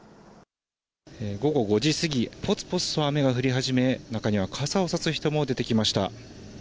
午後５時過ぎ、ぽつぽつと雨が降り始め、中には傘を差す人も出てきました。